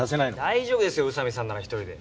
大丈夫ですよ宇佐見さんなら一人で。